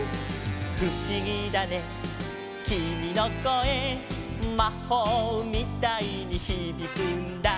「ふしぎだねきみのこえ」「まほうみたいにひびくんだ」